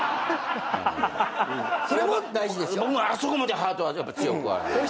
僕もあそこまでハートは強くはない。